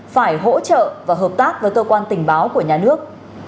phải hỗ trợ và hợp tác với cơ quan tình báo của nhà nước